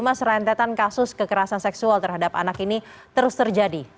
mas rentetan kasus kekerasan seksual terhadap anak ini terus terjadi